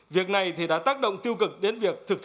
việc này thì đã tác động tiêu cực đến việc thực thi